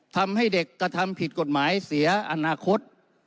ทำให้เด็กกระทำผิดกฎหมายเสียอนาคต